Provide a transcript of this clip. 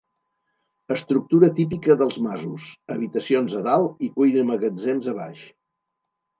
Estructura típica dels masos: habitacions a dalt i cuina i magatzems a baix.